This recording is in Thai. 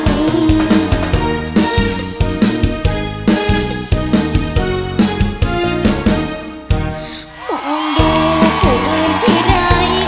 มองดูผู้อื่นที่ไร